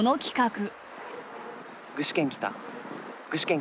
具志堅来た。